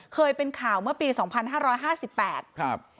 เคยเป็นข่าวเมื่อปีสองพันห้าร้อยห้าสิบแปดครับ